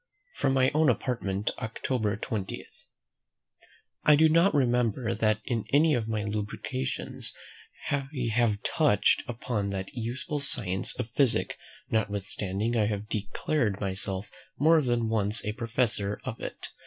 From my own Apartment, October 20. I do not remember that in any of my lucubrations I have touched upon that useful science of physic, notwithstanding I have declared myself more than once a professor of it.